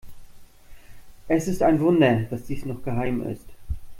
Es ist ein Wunder, dass dies noch geheim ist.